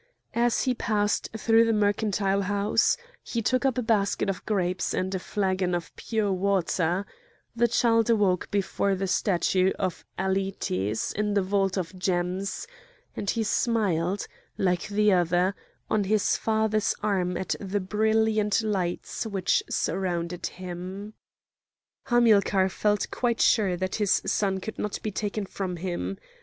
As he passed through the mercantile house he took up a basket of grapes and a flagon of pure water; the child awoke before the statue of Aletes in the vault of gems, and he smiled—like the other—on his father's arm at the brilliant lights which surrounded him. Hamilcar felt quite sure that his son could not be taken from him.